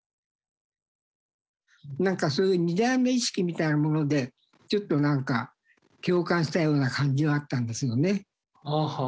なんかそういう２代目意識みたいなものでちょっとなんか共感したような感じはあったんですよね。